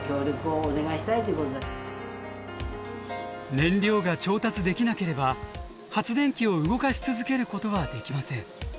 燃料が調達できなければ発電機を動かし続けることはできません。